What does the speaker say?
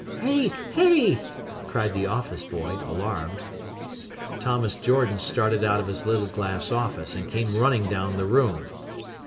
"Hey! Hey!" cried the office boy, alarmed. Thomas Jordan started out of his little glass office, and came running down the room.